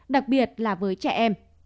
đặc biệt là với trẻ em